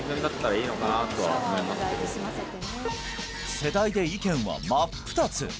世代で意見は真っ二つ